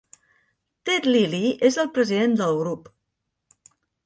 Ted Lillie és el president del grup.